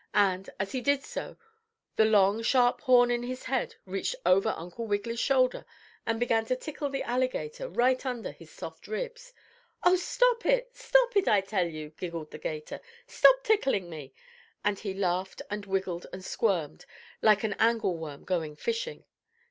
And, as he did so the long sharp horn in his head reached over Uncle Wiggily's shoulder, and began to tickle the alligator right under his soft ribs. "Oh, stop! Stop it, I tell you!" giggled the 'gator. "Stop tickling me!" and he laughed and wiggled and squirmed like an angle worm going fishing.